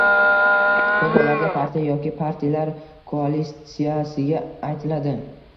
ko‘p hollarda partiya yoki partiyalar koalitsiyasiga aytiladi.